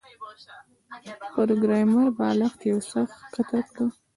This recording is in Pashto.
پروګرامر بالښت یو څه ښکته کړ